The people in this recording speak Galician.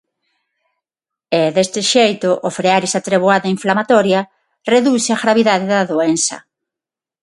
E, deste xeito, ao frear esa treboada inflamatoria, reduce a gravidade da doenza.